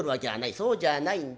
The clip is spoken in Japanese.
そうじゃないんだ。